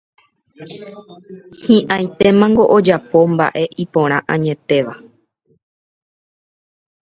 Hi'ãitémango ojapo mba'e iporã añetéva